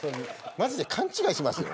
マジで勘違いしますよ